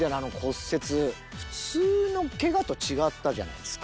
普通の怪我と違ったじゃないですか。